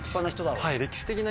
はい。